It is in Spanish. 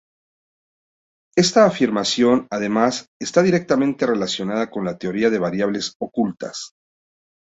Esta afirmación, además, está directamente relacionada con la teoría de variables ocultas.